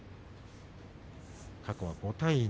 過去は５対２。